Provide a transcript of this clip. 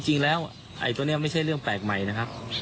จริงแล้วไอ้ตัวนี้ไม่ใช่เรื่องแปลกใหม่นะครับ